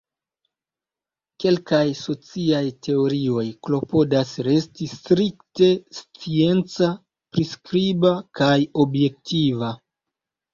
Kelkaj sociaj teorioj klopodas resti strikte scienca, priskriba, kaj objektiva.